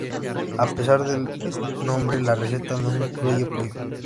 A pesar del nombre la receta no incluye pollo.